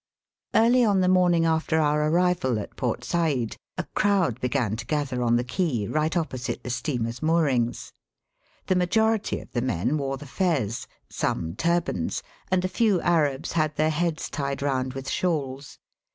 Early on the morning after our arrival at Port Said, a crowd began to gather on the quay right opposite the steamer's moorings. The majority of the men wore the fez, some turbans, and a few Arabs had their heads tied round with shawls.